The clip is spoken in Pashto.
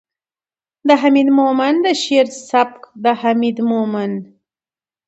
، د حميد مومند د شعر سبک ،د حميد مومند